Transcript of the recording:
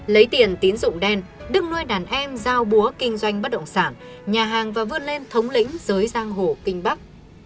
lấy tiền tín dụng đen đứng nuôi đàn em giao búa kinh doanh bất động sản nhà hàng và vươn lên thống lĩnh giới giang hồ kinh bắc